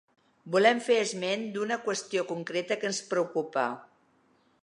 Volem fer esment d’una qüestió concreta que ens preocupa.